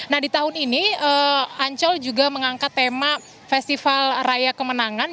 nah di tahun ini ancol juga mengangkat tema festival raya kemenangan